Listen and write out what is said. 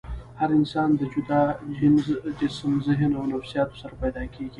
هر انسان د جدا جينز ، جسم ، ذهن او نفسياتو سره پېدا کيږي